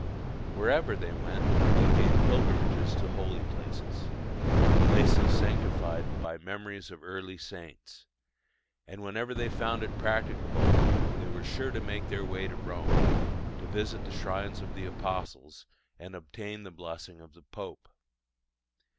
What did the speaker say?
Wherever they went they made pilgrimages to holy places places sanctified by memories of early saints and whenever they found it practicable they were sure to make their way to Rome, to visit the shrines of the apostles, and obtain the blessing of the Pope.